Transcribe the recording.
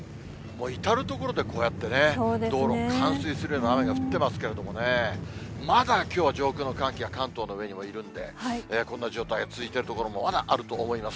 至る所でこうやってね、道路冠水するような雨が降ってますけれどもね、まだきょうは上空の寒気が関東の上にもいるんで、こんな状態が続いている所もまだあると思います。